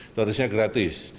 itu harusnya gratis